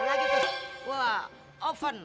lagi tuh buah oven